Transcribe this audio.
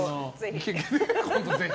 今度ぜひ。